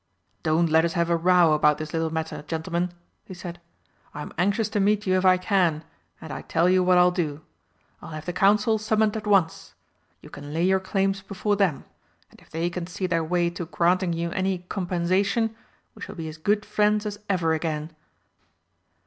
"Don't let us have a row about this little matter, gentlemen," he said. "I'm anxious to meet you if I can, and I tell you what I'll do. I'll have the Council summoned at once. You can lay your claims before them, and if they can see their way to granting you any compensation, we shall be as good friends as ever again."